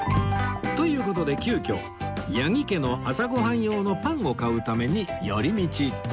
という事で急きょ八木家の朝ご飯用のパンを買うために寄り道